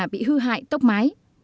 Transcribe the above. bị hư hại tốc mái